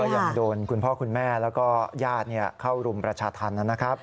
ยังโดนคุณพ่อคุณแม่แล้วก็ญาติเข้ารุมประชาธรรมนะครับ